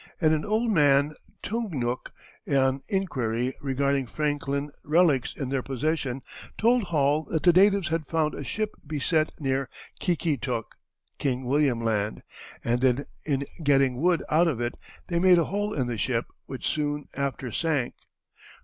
and an old man, Tungnuk, on inquiry regarding Franklin relics in their possession, told Hall that the natives had found a ship beset near Ki ki tuk, King William Land, and that in getting wood out of it they made a hole in the ship, which soon after sank.